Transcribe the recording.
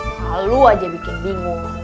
salu aja bikin bingung